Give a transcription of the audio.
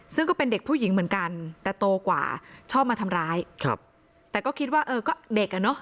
ซึ่งก็เป็นเด็กผู้หญิงเหมือนกันแต่โตกว่าชอบมาทำร้ายครับแต่ก็คิดว่าเออก็เด็กอ่ะเนอะ